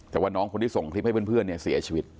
แต่ว่าน้องคนที่ส่งคลิปให้เพื่อนเนี่ยเสียชีวิต